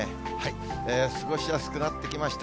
過ごしやすくなってきました。